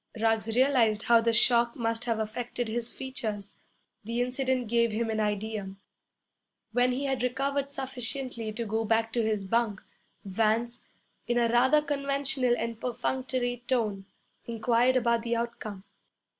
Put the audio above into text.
Ruggs realized how the shock must have affected his features. The incident gave him an idea. When he had recovered sufficiently to go back to his bunk, Vance, in a rather conventional and perfunctory tone, inquired about the outcome.